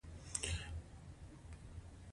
بیشپ د رسۍ په وسیله له برجه راکښته شو.